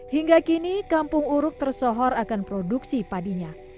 hingga kini kampung uruk tersohor akan produksi padinya